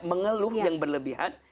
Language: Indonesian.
mengeluh yang berlebihan